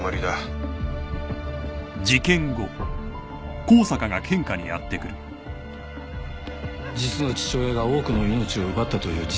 実の父親が多くの命を奪ったという事実は変えられない。